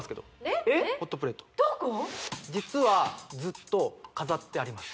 実はずっと飾ってあります